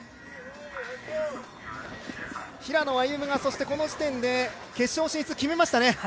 平野歩夢がこの時点で決勝進出を決めましたね。